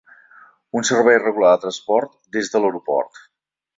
Un servei regular de transport des de l'aeroport.